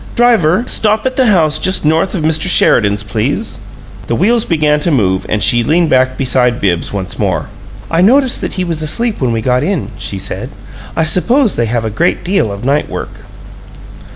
Driver! Stop at the house just north of Mr. Sheridan's, please." The wheels began to move, and she leaned back beside Bibbs once more. "I noticed that he was asleep when we got in," she said. "I suppose they have a great deal of night work."